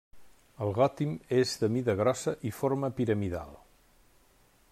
El gotim és de mida grossa i forma piramidal.